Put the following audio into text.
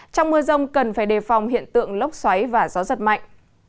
trong mưa rông cần phải đề phòng hiện tượng lốc xoáy và gió giật mạnh